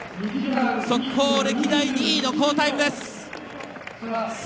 速報歴代２位の好タイムです。